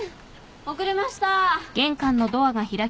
遅れました！